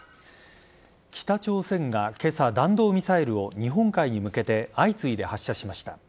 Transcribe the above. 北朝鮮が今朝、弾道ミサイルを日本海に向けて相次いで発射しました。